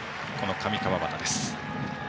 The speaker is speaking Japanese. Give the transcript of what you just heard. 上川畑です。